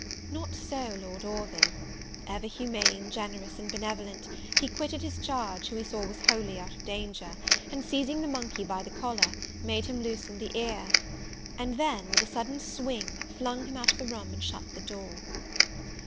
Not so Lord Orville: ever humane, generous, and benevolent he quitted his charge, who he saw was wholly out of danger, and seizing the monkey by the collar, made him loosen the ear; and then with a sudden swing, flung him out of the room, and shut the door.